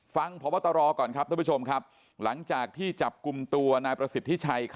ฟังพพตราก่อนครับท่านผู้ชมหลังจากที่จับกุมตัวนายประสิทธิชัยข่าวแก้ว